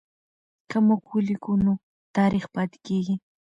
که موږ ولیکو نو تاریخ پاتې کېږي.